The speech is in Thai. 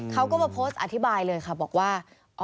เขาก็มาโพสต์อธิบายเลยค่ะบอกว่า